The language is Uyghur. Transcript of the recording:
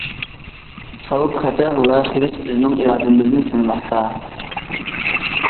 خەۋپ- خەتەر ۋە خىرىس بىزنىڭ ئىرادىمىزنى سىنىماقتا.